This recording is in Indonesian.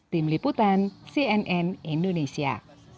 tim liputan cnn indonesia